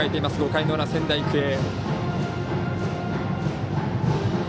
５回の裏、仙台育英。